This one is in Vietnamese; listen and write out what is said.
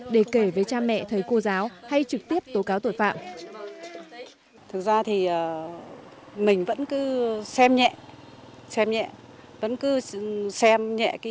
để kể với cha mẹ thầy cô giáo hay trực tiếp tố cáo tội phạm